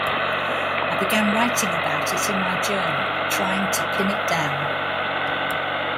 I began writing about it in my journal, trying to pin it down.